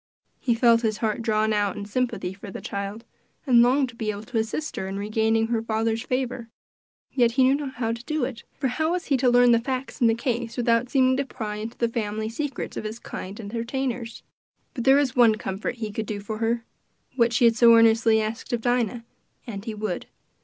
He felt his heart drawn out in sympathy for the child, and longed to be able to assist her in regaining her father's favor, yet he knew not how to do it, for how was he to learn the facts in the case without seeming to pry into the family secrets of his kind entertainers? But there was one comfort he could do for her what she had so earnestly asked of Dinah and he would.